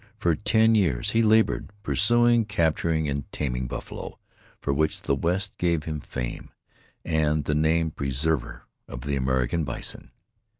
For ten years he labored, pursuing, capturing and taming buffalo, for which the West gave him fame, and the name Preserver of the American Bison.